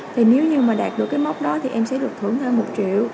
thì nếu như mà đạt được cái mốc đó thì em sẽ được thưởng hơn một triệu